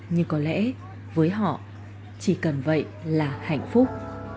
nhưng có lẽ với họ chỉ cần vậy là hạnh phúc